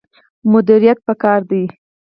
مدیریت پکار دی